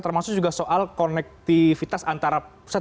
termasuk juga soal konektivitas antara pusat dan daerah